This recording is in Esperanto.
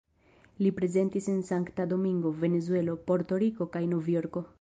Li prezentis en Sankta Domingo, Venezuelo, Porto-Riko kaj Novjorko.